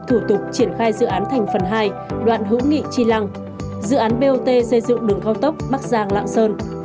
thủ tục triển khai dự án thành phần hai đoạn hữu nghị tri lăng dự án bot xây dựng đường cao tốc bắc giang lạng sơn